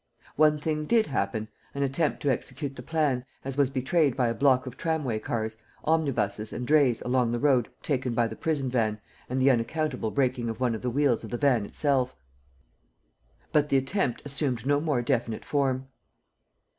One thing did happen, an attempt to execute the plan, as was betrayed by a block of tramway cars, omnibuses and drays along the road taken by the prison van and the unaccountable breaking of one of the wheels of the van itself. But the attempt assumed no more definite form.